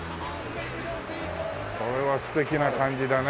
これは素敵な感じだね。